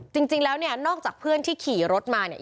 จริงแล้วเนี่ยนอกจากเพื่อนที่ขี่รถมาเนี่ย